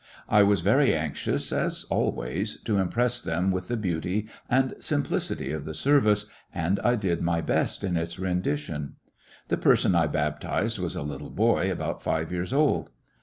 I was very anxious, as always, to impress them with the beauty and simplicity of the service, and I did my best in its rendition. The person I baptized was a little boy about five years old.